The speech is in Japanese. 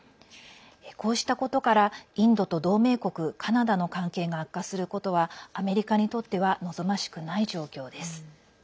こうしたことからインドと同盟国カナダの関係が悪化することはアメリカにとっては望ましくない状況です。